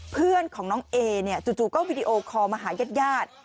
เพื่อนของน้องเอเนี่ยจู่ก็วิดีโอคอลมาหายาด